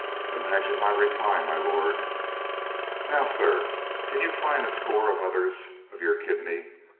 "Imagine my reply, my lord." "Now, sir, can you find a score of others of your kidney?